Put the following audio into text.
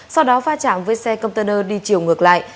sau đó pha chạm với xe container đi chiều ngược lại